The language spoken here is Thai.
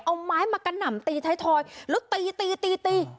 เอาไม้มากระหน่ำตีไทยทอยแล้วตีตีตี